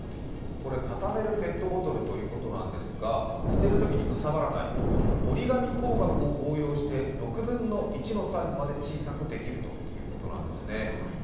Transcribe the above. これ畳めるペットボトルというものなんですが、捨てるときにかさばらない、折り紙工学を応用して６分の１のサイズまで小さくできるということなんですね。